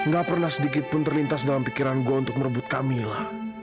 gak pernah sedikit pun terlintas dalam pikiran gua untuk merebut kamila